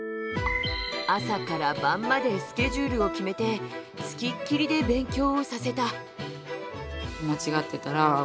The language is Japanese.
朝から晩までスケジュールを決めて付きっきりで勉強をさせた。